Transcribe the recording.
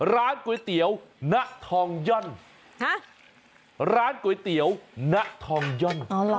ร้านก๋วยเตี๋ยวณทองย่อนร้านก๋วยเตี๋ยวณทองย่อน